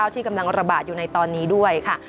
ที่กำลังระบาดอยู่ในตอนนี้ด้วยค่ะ